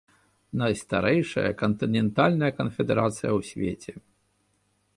Найстарэйшая кантынентальная канфедэрацыя ў свеце.